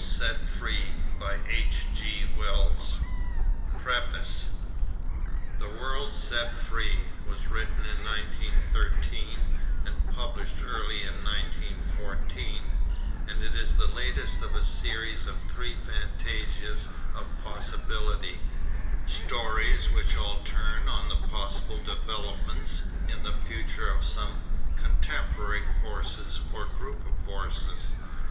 THE LAST DAYS OF MARCUS KARENIN PREFACE The World Set Free was written in 1913 and published early in 1914, and it is the latest of a series of three fantasias of possibility, stories which all turn on the possible developments in the future of some contemporary force or group of forces.